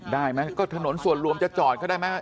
ได้มั้ยก็ถนนส่วนรวมจะจอดก็ได้มั้ย